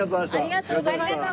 ありがとうございます。